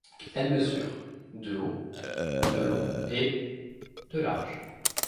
Elle mesure de haut, de long et de large.